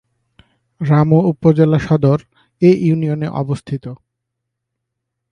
রামু উপজেলা সদর এ ইউনিয়নে অবস্থিত।